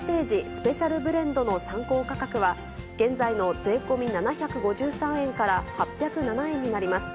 スペシャルブレンドの参考価格は、現在の税込み７５３円から８０７円になります。